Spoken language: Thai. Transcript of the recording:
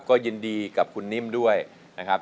ก็ยินดีกับคุณนิ่มด้วยนะครับ